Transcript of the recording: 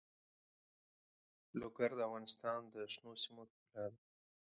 لوگر د افغانستان د شنو سیمو ښکلا ده.